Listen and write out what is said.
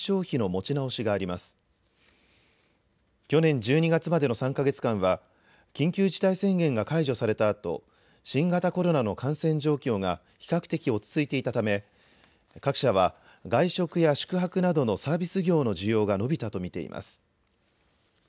去年１２月までの３か月間は緊急事態宣言が解除されたあと新型コロナの感染状況が比較的落ち着いていたため各社は外食や宿泊などのサービス業の需要が伸びたと見ています。